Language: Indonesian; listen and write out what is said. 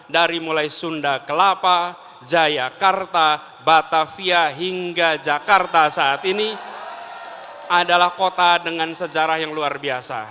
dari mulai sunda kelapa jayakarta batavia hingga jakarta saat ini adalah kota dengan sejarah yang luar biasa